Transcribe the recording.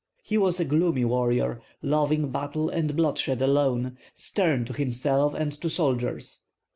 He was a gloomy warrior, loving battles and bloodshed alone, stern to himself and to soldiers.